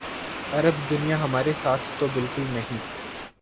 عرب دنیا ہمارے ساتھ تو بالکل نہیں۔